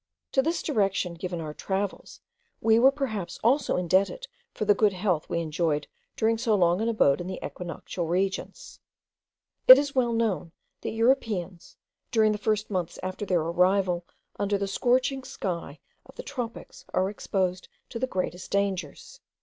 To this direction given to our travels we were perhaps also indebted for the good health we enjoyed during so long an abode in the equinoctial regions. It is well known, that Europeans, during the first months after their arrival under the scorching sky of the tropics, are exposed to the greatest dangers.